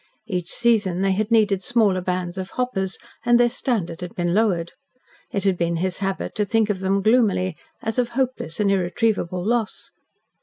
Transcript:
Each season they had needed smaller bands of "hoppers," and their standard had been lowered. It had been his habit to think of them gloomily, as of hopeless and irretrievable loss.